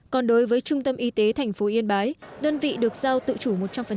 còn đối với trung tâm y tế tp yên bái đơn vị được giao tự chủ một trăm linh